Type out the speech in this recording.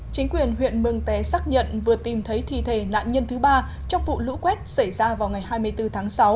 chính quyền huyện mừng té xác nhận vừa tìm thấy thi thể nạn nhân thứ ba trong vụ lũ quét xảy ra vào ngày hai mươi bốn tháng sáu